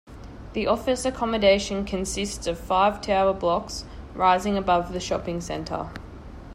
The office accommodation consists of five tower blocks rising above the shopping centre.